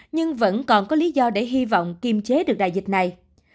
nhưng vẫn còn có lý do để hy vọng kiềm chế được đại dịch này